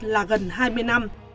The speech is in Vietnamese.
là gần hai mươi năm